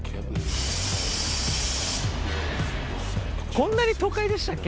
こんなに都会でしたっけ？